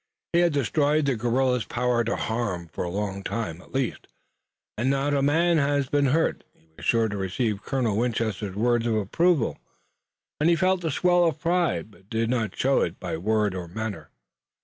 He had destroyed the guerrilla's power to harm for a long time, at least, and not a man of his had been hurt. He was sure to receive Colonel Winchester's words of approval, and he felt the swell of pride, but did not show it by word or manner.